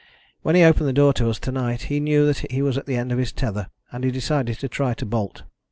When he opened the door to us to night, he knew that he was at the end of his tether, and he decided to try to bolt.